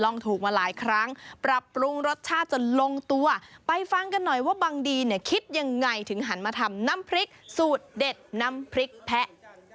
นึกอันหน่อยว่าบางดีเนี่ยคิดยังไงถึงหันมาทำน้ำพริกสูตรเด็ดน้ำพริกแพะ